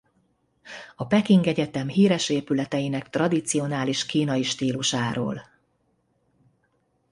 A Peking Egyetem híres épületeinek tradicionális kínai stílusáról.